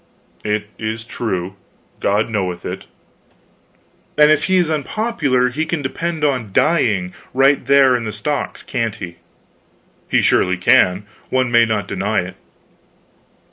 "It is true, God knoweth it." "And if he is unpopular he can depend on dying, right there in the stocks, can't he?" "He surely can! One may not deny it."